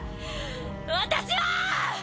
私は！